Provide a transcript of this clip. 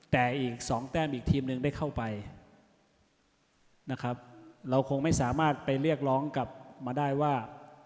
แต่อีกสองแต้มอีกทีมหนึ่งได้เข้าไปนะครับเราคงไม่สามารถไปเรียกร้องกลับมาได้ว่า